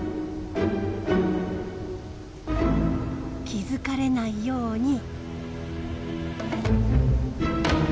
気付かれないように。